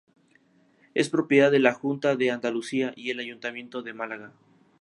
Es propiedad de la Junta de Andalucía y el Ayuntamiento de Málaga.